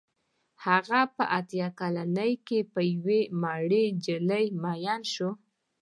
هغه په اته کلنۍ کې په یوې مړې نجلۍ مین شو